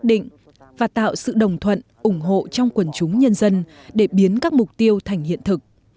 định và tạo sự đồng thuận ủng hộ trong quần chúng nhân dân để biến các mục tiêu thành hiện thực